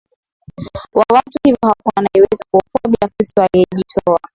wa watu hivyo hakuna anayeweza kuokoka bila Kristo aliyejitoa